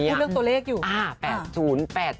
พูดเรื่องตัวเลขอยู่